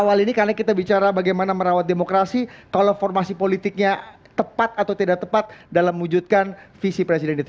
awal ini karena kita bicara bagaimana merawat demokrasi kalau formasi politiknya tepat atau tidak tepat dalam mewujudkan visi presiden itu